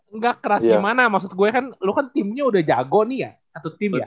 nggak keras gimana maksud gue kan lo kan timnya udah jago nih ya satu tim ya